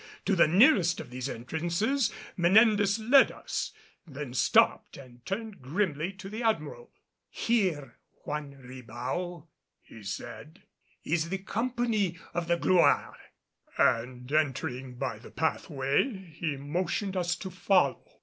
To the nearest of these entrances Menendez led us, then stopped and turning grimly to the Admiral, "Here, Juan Ribao," he said, "is the company of the Gloire!" And entering by the pathway he motioned us to follow.